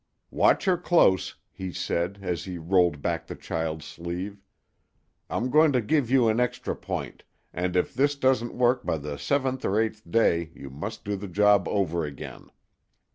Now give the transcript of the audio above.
"Watch her close," he said, as he rolled back the child's sleeve. "I'm going to give you an extra point, and if this doesn't work by the seventh or eighth day you must do the job over again."